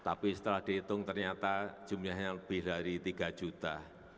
tapi setelah dihitung ternyata jumlahnya lebih dari tiga juta